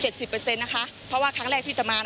เพราะว่าครั้งแรกที่จะมา